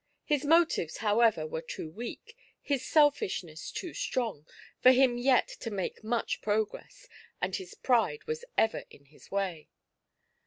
His motives, however, were too weak, his selfishness too strong, for him yet to make much progress, and his pride was ever in his way.